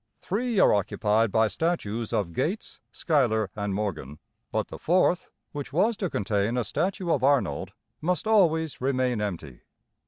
Three are occupied by statues of Gates, Schuyler, and Morgan; but the fourth which was to contain a statue of Arnold must always remain empty!